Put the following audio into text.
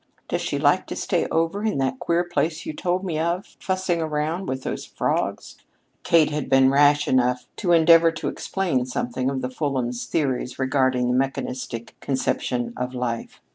Does she like to stay over in that queer place you told me of, fussing around with those frogs?" Kate had been rash enough to endeavor to explain something of the Fulhams' theories regarding the mechanistic conception of life.